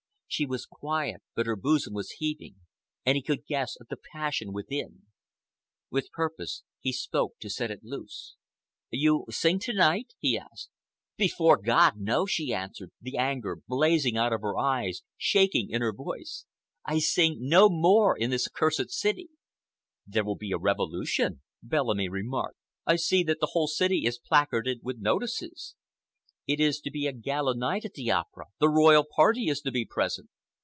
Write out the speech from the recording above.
She was quiet, but her bosom was heaving, and he could guess at the passion within. With purpose he spoke to set it loose. "You sing to night?" he asked. "Before God, no!" she answered, the anger blazing out of her eyes, shaking in her voice. "I sing no more in this accursed city!" "There will be a revolution," Bellamy remarked. "I see that the whole city is placarded with notices. It is to be a gala night at the Opera. The royal party is to be present."